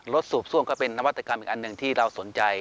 สูบซ่วมก็เป็นนวัตกรรมอีกอันหนึ่งที่เราสนใจ